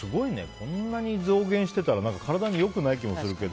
こんなに増減してたら体に良くない気もするけど。